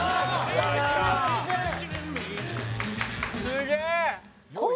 すげえ！